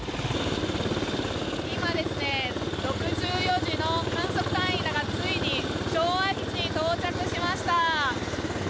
今６４次の観測隊員らがついに昭和基地に到着しました。